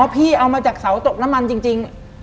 พี่เอามาจากเสาตกน้ำมันจริง